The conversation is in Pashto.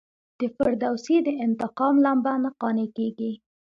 د فردوسي د انتقام لمبه نه قانع کیږي.